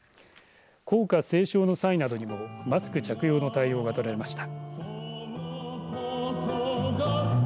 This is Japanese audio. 校歌斉唱の際などにもマスク着用の対応が取られました。